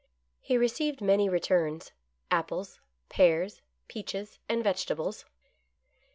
He received many returns — apples, pears, peaches and vegetables.